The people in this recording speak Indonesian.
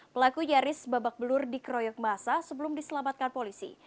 pelaku nyaris babak belur dikroyok basah sebelum diselamatkan polisi